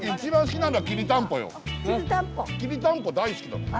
きりたんぽ大好きだもん。